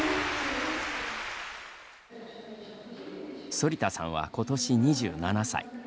反田さんは、ことし２７歳。